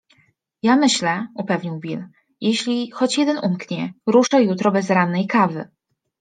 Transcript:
- Ja myślę - upewnił Bill. - Jeśli choć jeden umknie, ruszę jutro bez rannej kawy.